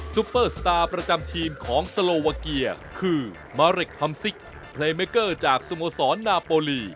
ปเปอร์สตาร์ประจำทีมของสโลวาเกียคือมาเรคฮัมซิกเพลย์เมเกอร์จากสโมสรนาโปรลี